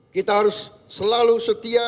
kita harus selalu setia